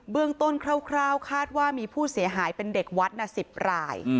เรื่องต้นคร่าวคาดว่ามีผู้เสียหายเป็นเด็กวัด๑๐ราย